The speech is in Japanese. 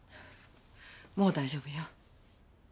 もう大丈夫よ。